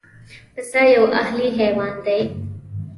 پسه یو اهلي حیوان دی.